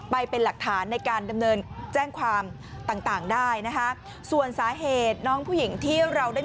ไปเป็นหลักฐานในการดำเนินแจ้งความต่างได้นะคะส่วนสาเหตุน้องผู้หญิงที่เราได้